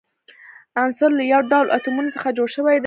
عنصر له یو ډول اتومونو څخه جوړ شوی وي.